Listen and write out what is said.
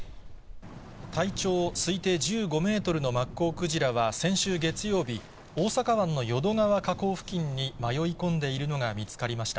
体長推定１５メートルのマッコウクジラは先週月曜日、大阪湾の淀川河口付近に迷い込んでいるのが見つかりました。